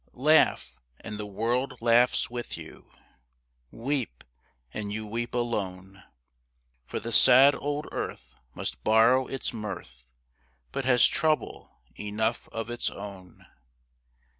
Laugh, and the world laughs with you; Weep, and you weep alone; For the sad old earth must borrow its mirth, But has trouble enough of its own.